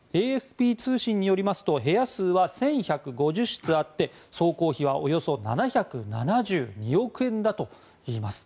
ＡＦＰ通信によりますと部屋数は１１５０室あって総工費はおよそ７７２億円だといいます。